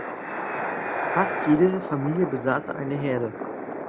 Fast jede Familie besaß eine Herde.